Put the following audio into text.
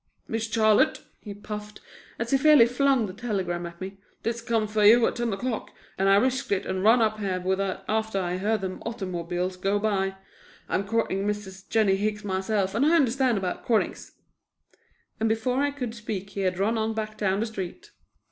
"Miss Charlotte," he puffed, as he fairly flung the telegram at me, "this come fer you at ten o'clock and I risked it and run up here with it after I heard them ottermobiles go by. I'm courting Mrs. Jennie Hicks myself and I understands about courtings." And before I could speak he had run on back down the street.